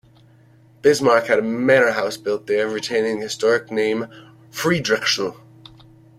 Bismarck had a manor house built there, retaining the historic name Friedrichsruh.